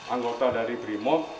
anggota dari brimob